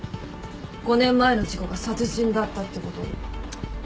５年前の事故が殺人だったってことも。